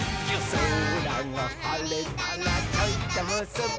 「そらがはれたらちょいとむすび」